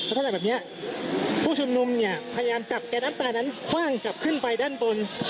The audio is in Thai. ลักษณะแบบนี้ผู้ชุมนุมเนี่ยพยายามจับแก๊สน้ำตานั้นคว่างกลับขึ้นไปด้านบน